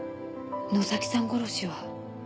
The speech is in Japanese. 能崎さん殺しは？